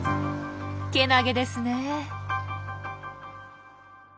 けなげですねえ。